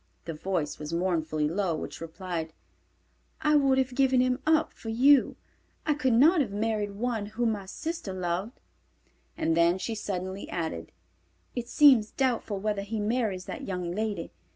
The voice was mournfully low which replied, "I would have given him up for you. I could not have married one whom my sister loved." And then she suddenly added, "It seems doubtful whether he marries that young lady.